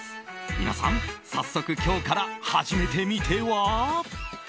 皆さん早速、今日から始めてみては？